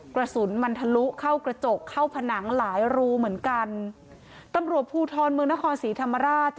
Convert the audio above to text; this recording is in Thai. กระสุนมันทะลุเข้ากระจกเข้าผนังหลายรูเหมือนกันตำรวจภูทรเมืองนครศรีธรรมราช